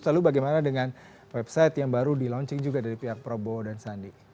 lalu bagaimana dengan website yang baru di launching juga dari pihak prabowo dan sandi